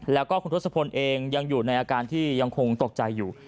แล้วก็คุณทศพลเองยังอยู่ในอาการที่ยังคงตกใจอยู่